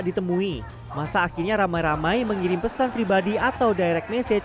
dan secara matis ya kita kepada siapa lagi untuk kita berbelah pada kekuatan ini